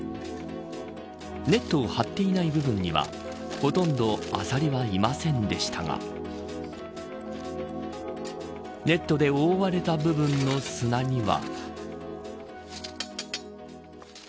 ネットを張っていない部分にはほとんどアサリはいませんでしたがネットで覆われた部分の砂には。